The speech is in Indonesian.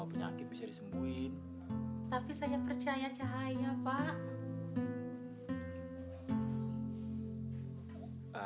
ternyata ide kamu itu